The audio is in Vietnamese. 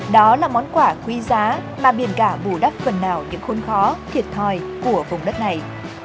đó là món quà quý giá mà biển cả bù đắp phần nào những khuôn khó thiệt thòi của vùng đất này